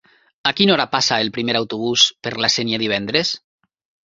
A quina hora passa el primer autobús per la Sénia divendres?